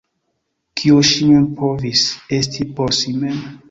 Kio ŝi mem povis esti por si mem?